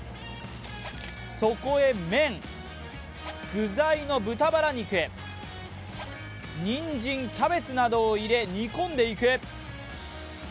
そこへ麺、具材の豚バラ肉、にんじん、キャベツなどを入れ煮込んでいく。